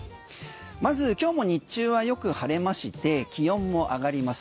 まず今日も日中はよく晴れまして気温も上がります。